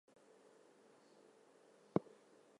By age three, Sanders could swim a lap of the pool.